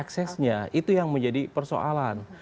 aksesnya itu yang menjadi persoalan